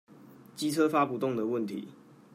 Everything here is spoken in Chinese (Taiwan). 機車發不動的問題